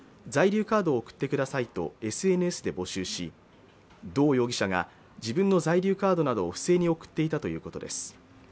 在留カードを送ってくださいとＳＮＳで募集しドー容疑者が自分の在留カードなどを不正に送っていたということです